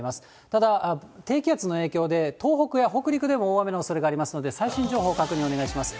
ただ、低気圧の影響で、東北や北陸でも大雨のおそれがありますので、最新情報ご確認お願いします。